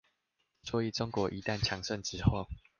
所以中國一旦強盛之後